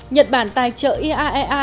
nhật bản tài trợ iaea